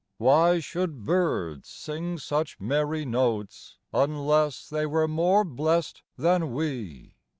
Why should birds sing such merry notes, Unless they were more blest than we?